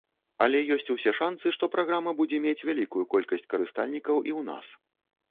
Але ёсць усе шанцы, што праграма будзе мець вялікую колькасць карыстальнікаў і ў нас.